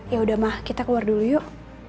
yaudah ma kita keluar dulu yuk